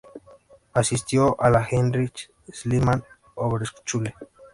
Asistió a la Heinrich-Schliemann-Oberschule.